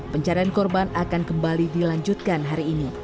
pencarian korban akan kembali dilanjutkan hari ini